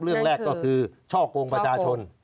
เรื่องแรกก็คือช่อกงประชาชน